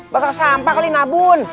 bakar sampah kali nabun